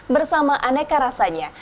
bersama aneka rasanya